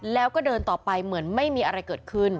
แล้วก็เดินต่อไปเหมือนไม่มีอะไรเกิดขึ้น